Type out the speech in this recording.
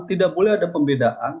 tidak boleh ada pembedaan